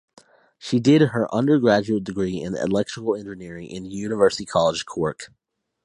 She did her undergraduate degree in electrical engineering in University College Cork.